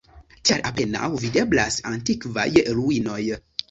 Tial apenaŭ videblas antikvaj ruinoj.